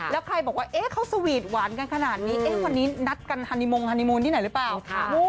แล้วใครบอกว่าเขาสวีทหวานกันขนาดนี้วันนี้นัดกันฮานิมงฮานีมูลที่ไหนหรือเปล่า